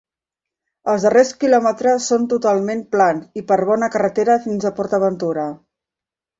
Els darrers quilòmetres són totalment plans i per bona carretera fins a PortAventura.